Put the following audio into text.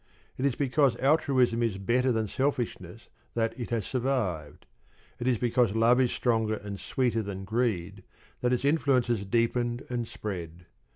It is because altruism is better than selfishness that it has survived. It is because love is stronger and sweeter than greed that its influence has deepened and spread.